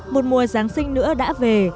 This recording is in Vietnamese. một mùa giáng sinh nữa đã về